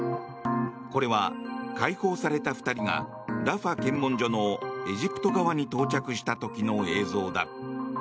これは解放された２人がラファ検問所のエジプト側に到着した時の映像だ。